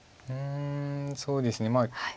うんそうですね。